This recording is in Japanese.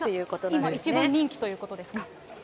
それが今一番人気ということですか。